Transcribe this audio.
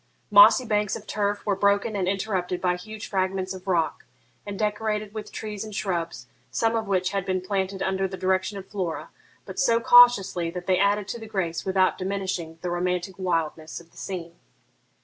Mossy banks of turf were broken and interrupted by huge fragments of rock, and decorated with trees and shrubs, some of which had been planted under the direction of Flora, but so cautiously that they added to the grace without diminishing the romantic wildness of the scene.